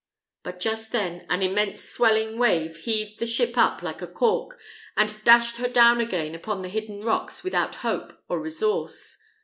But just then an immense swelling wave heaved the ship up like a cork, and dashed her down again upon the hidden rocks without hope or resource.